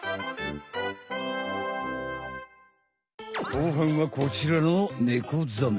後半はこちらのネコザメ。